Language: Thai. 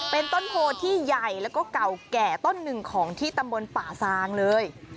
เป็นต้นโพที่ใหญ่แล้วก็เก่าแก่ต้นหนึ่งของที่ตำบลป่าซางเลย